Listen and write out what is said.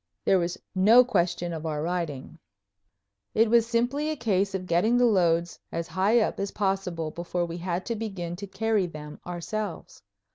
There was no question of our riding. It was simply a case of getting the loads as high up as possible before we had to begin to carry them ourselves.